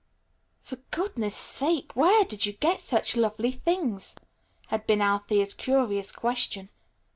"For goodness' sake where did you get such lovely things?" had been Althea's curious question.